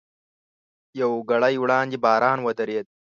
یوه ګړۍ وړاندې باران ودرېد.